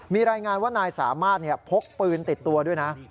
มีรายงานว่านายสามารถพกปืนติดตัวด้วยนะ